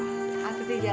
ini malu akhirnya nakal